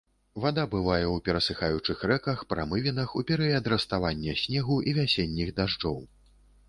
Вада бывае ў перасыхаючых рэках, прамывінах у перыяд раставання снегу і вясенніх дажджоў.